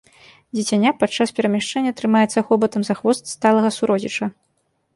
Дзіцяня падчас перамяшчэння трымаецца хобатам за хвост сталага суродзіча.